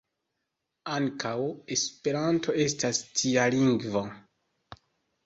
Ankaŭ Esperanto estas tia lingvo.